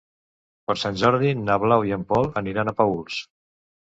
Per Sant Jordi na Blau i en Pol aniran a Paüls.